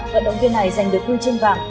vận động viên này giành được huy chương vàng